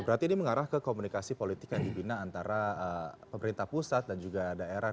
berarti ini mengarah ke komunikasi politik yang dibina antara pemerintah pusat dan juga daerah